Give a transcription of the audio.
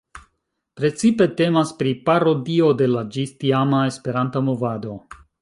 Precipe temas pri parodio de la ĝis-tiama Esperanta movado.